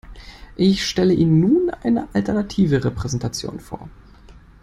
Ich stelle Ihnen nun eine alternative Repräsentation vor.